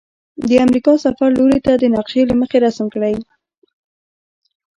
د امریکا د سفر لوري د نقشي له مخې رسم کړئ.